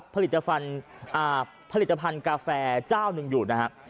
ผลิตภัณฑ์กาแฟเจ้าหนึ่งอยู่นะครับ